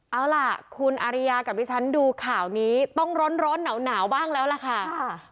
เอาล่ะคุณอาริยากับผู้ชายดูข่าวนี้ต้องร้นร้อนเหนาหนาวบ้างแล้วเหล่าค่ะสวัสดีค่ะ